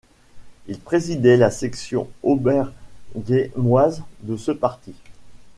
Il présidait la section auderghemoise de ce parti.